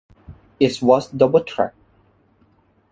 It was double track.